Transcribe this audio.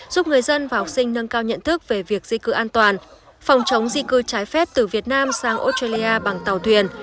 giúp người dân và học sinh nâng cao nhận thức về việc di cư an toàn phòng chống di cư trái phép từ việt nam sang australia bằng tàu thuyền